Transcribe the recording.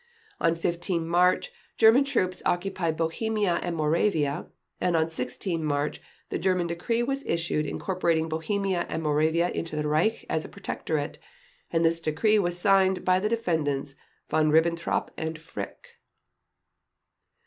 On 15 March German troops occupied Bohemia and Moravia, and on 16 March the German decree was issued incorporating Bohemia and Moravia into the Reich as a protectorate, and this decree was signed by the Defendants Von Ribbentrop and Frick.